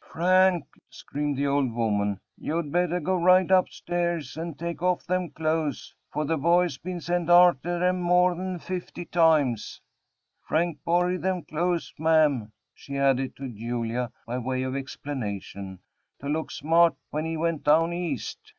"Frank!" screamed the old woman, "you'd better go right up stairs and take off them clothes for the boy's been sent arter 'em more'n fifty times. Frank borried them clothes, ma'am," she added to Julia, by way of explanation, "to look smart when he went down east."